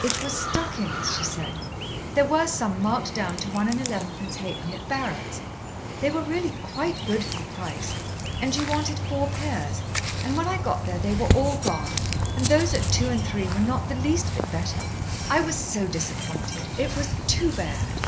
"It was stockings," she said. "There were some marked down to one and elevenpence halfpenny at Barratt's. They were really quite good for the price. And you wanted four pairs. And when I got there they were all gone, and those at two and three were not the least bit better. I was so disappointed. It was too bad!"